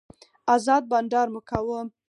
ازاد بانډار مو کاوه.